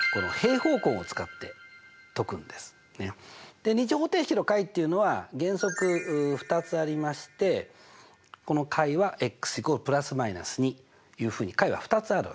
で２次方程式の解っていうのは原則２つありましてこの解は＝±２というふうに解は２つある。